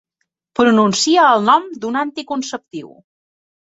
Pronuncia el nom d'un anticonceptiu.